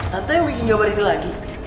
tante yang bikin gambar ini lagi